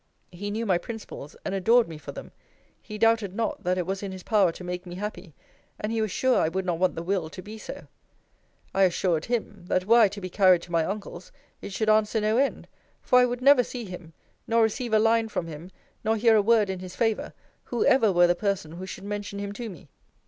He knew my principles, and adored me for them. He doubted not, that it was in his power to make me happy: and he was sure I would not want the will to be so. I assured him, that were I to be carried to my uncle's, it should answer no end; for I would never see him; nor receive a line from him; nor hear a word in his favour, whoever were the person who should mention him to me.